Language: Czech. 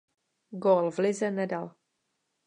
Gól v lize nedal.